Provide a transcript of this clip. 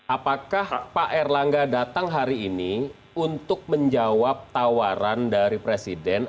apakah pak erlangga datang hari ini untuk menjawab tawaran dari presiden